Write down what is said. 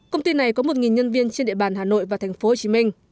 công ty này có một nhân viên trên địa bàn hà nội và thành phố hồ chí minh